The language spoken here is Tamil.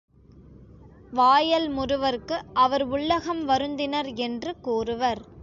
வாயல் முறுவற்கு அவர் உள்ளகம் வருந்தினர் என்று கூறுவர்.